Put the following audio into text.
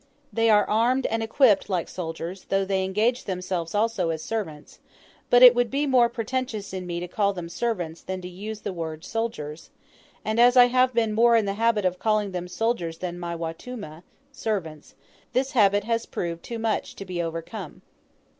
They are armed and equipped like soldiers, though they engage themselves also as servants; but it would be more pretentious in me to call them servants, than to use the word "soldiers;" and as I have been more in the habit of calling them soldiers than "my watuma" servants this habit has proved too much to be overcome.